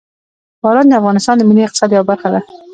باران د افغانستان د ملي اقتصاد یوه برخه ده.